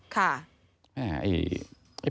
ค่ะ